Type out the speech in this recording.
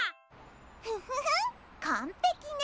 フフフンかんぺきね。